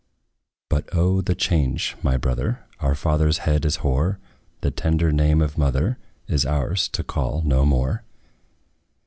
But O! the change, my brother! Our father's head is hoar; The tender name of mother Is ours to call no more.